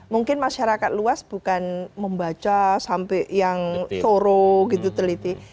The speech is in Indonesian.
mungkin masyarakat luas bukan membaca sampai yang toro gitu teliti